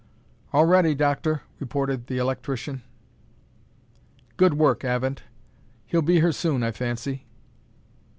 "All ready, Doctor," reported the electrician. "Good work, Avent. He'll be here soon, I fancy."